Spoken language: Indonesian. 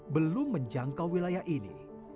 belum menjangkau wilayah ini